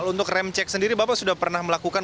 untuk rem cek sendiri bapak sudah pernah melakukan